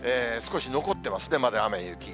少し残ってますね、まだ雨や雪。